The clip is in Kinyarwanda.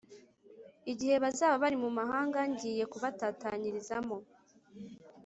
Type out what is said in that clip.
igihe bazaba bari mu mahanga ngiye kubatatanyirizamo